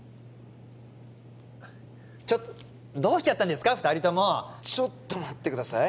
ちょっとどうしちゃったんですか二人ともちょっと待ってください